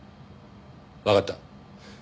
わかった。